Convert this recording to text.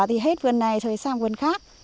thì hết vườn này rồi sang vườn khác